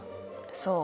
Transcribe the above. そう。